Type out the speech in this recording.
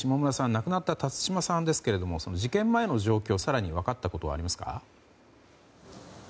亡くなった辰島さんですが事件前の状況で更に分かったことはありますか。